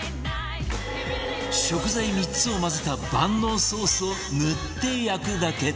食材３つを混ぜた万能ソースを塗って焼くだけ